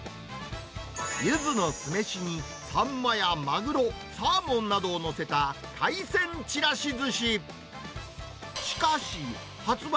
ユズの酢飯にサンマやマグロ、サーモンなどを載せた海鮮ちらしずし。